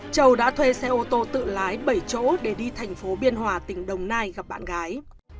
châu đã thuê xe ô tô tự lái bảy chỗ để đi thành phố biên hòa tỉnh đồng nai gặp bạn gái